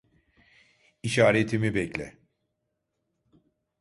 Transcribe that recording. İşaretimi bekle.